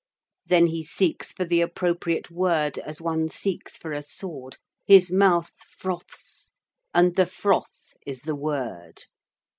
Then he seeks for the appropriate word as one seeks for a sword. His mouth froths, and the froth is the word.